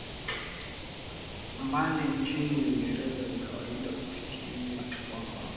mbali nchini Uingereza Ni kawaida kufikiri kwamba